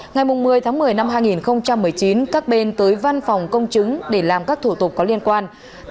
ngày một mươi tháng một mươi năm hai nghìn một mươi chín các bên tới văn phòng công chứng để làm các thủ tục có liên quan